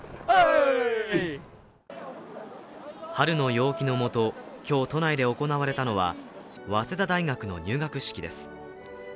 春の陽気のもと、今日都内で行われたのは早稲田大学の入学式です。